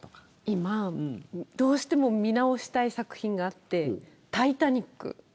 今、どうしても見直したい作品があって「タイタニック」。